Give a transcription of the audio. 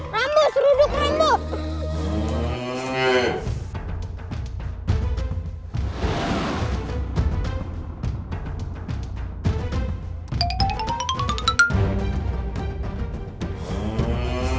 rambut duduk rambut